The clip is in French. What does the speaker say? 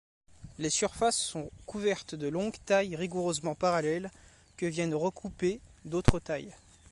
Les surfaces sont couvertes de longues tailles rigoureusement parallèles que viennent recouper d'autres tailles.